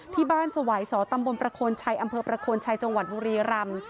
ที่บ้านสวัยสตำบลประคลชัยอำเภอประคลชัยจบุรีรำ